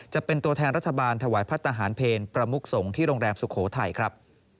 จะเป็นตัวแทนรัฐบาลถวายพระทหารเพลประมุกสงฆ์ที่โรงแรมสุโขทัยครับ